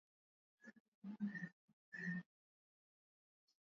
ameamuru kesi inayomkabili mwazilishi wa mtandao wa habari za siri wiki leaks juliana sanjhi